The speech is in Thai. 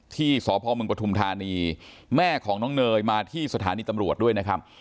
ที่สพมปฐุมธานีแม่ของน้องเนยมาที่สถานีตำรวจด้วยนะครับ